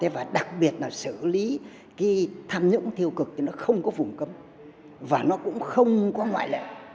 và đặc biệt là xử lý cái tham nhũng tiêu cực thì nó không có vùng cấm và nó cũng không có ngoại lệ